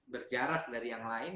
berjarak dari yang lain